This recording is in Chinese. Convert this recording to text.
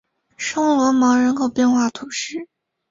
圣罗芒人口变化图示